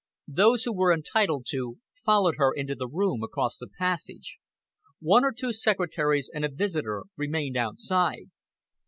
Those who were entitled to followed her into the room across the passage. One or two secretaries and a visitor remained outside.